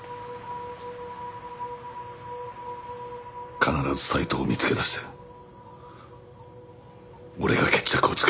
必ず斉藤を見つけ出して俺が決着をつける。